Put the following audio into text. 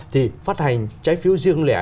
thì phát hành trái phiếu riêng lẻ